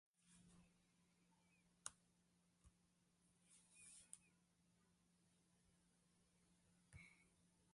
Aleksander ni bil prepričan, zakaj je to storil.